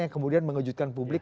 yang kemudian mengejutkan publik